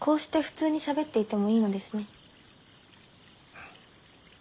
うん。